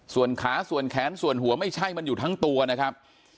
ส่วนขาส่วนแขนส่วนหัวไม่ใช่มันอยู่ทั้งตัวนะครับ